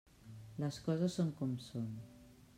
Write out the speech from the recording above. Les coses són com són.